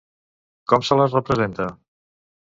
Com se les representa?